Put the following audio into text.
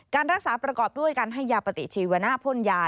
การรักษาประกอบด้วยการให้ยาปฏิชีวนะพ่นยา